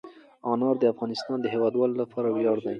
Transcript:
انار د افغانستان د هیوادوالو لپاره ویاړ دی.